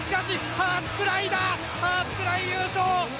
ハーツクライ優勝！